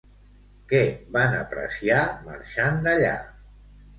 Què van apreciar marxant d'allà?